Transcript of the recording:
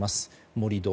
盛り土。